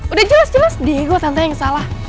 udah jelas jelas dihigu tante yang salah